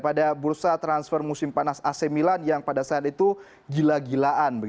pada bursa transfer musim panas ac milan yang pada saat itu gila gilaan